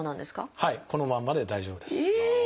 はいこのまんまで大丈夫です。